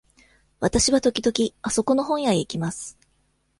わたしは時々あそこの本屋へ行きます。